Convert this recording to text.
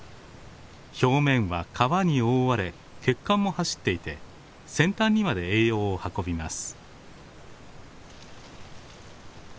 表面は皮に覆われ血管も走っていて先端にまで栄養を運びます。